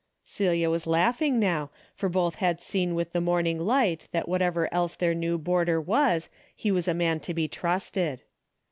Celia was laughing now, for both had seen with the morning light that whatever else their new boarder was, he was a man to be trusted.